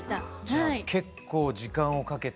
じゃあ結構時間をかけて？